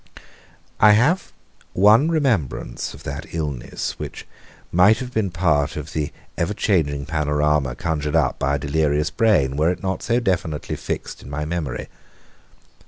I have one remembrance of that illness, which might have been part of the ever changing panorama conjured up by a delirious brain were it not so definitely fixed in my memory.